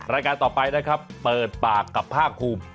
รายการต่อไปนะครับเปิดปากกับภาคภูมิ